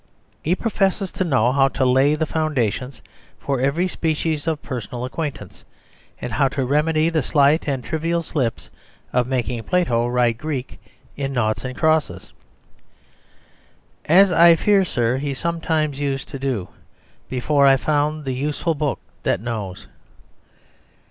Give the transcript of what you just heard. He professes to know how to lay the foundations for every species of personal acquaintanceship, and how to remedy the slight and trivial slips of making Plato write Greek in naughts and crosses. "As I fear, sir, he sometimes used to do Before I found the useful book that knows."